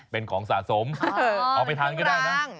เป็นของสะสมเอาไปทานก็ได้นะ